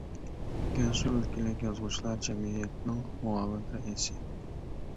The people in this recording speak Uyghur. گەنسۇ ئۆلكىلىك يازغۇچىلار جەمئىيىتىنىڭ مۇئاۋىن رەئىسى.